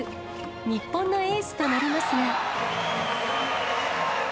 日本のエースとなりますが。